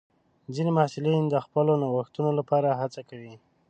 ځینې محصلین د خپلو نوښتونو لپاره هڅه کوي.